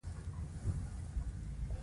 ژوند یې ښه دی او پرمختګ یې کړی دی.